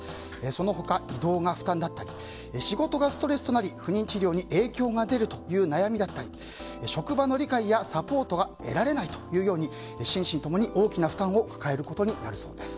その他、移動が負担だったり仕事がストレスとなり不妊治療に影響が出るという悩みだったり職場の理解やサポートが得られないというように心身共に大きな負担を抱えることになるそうです。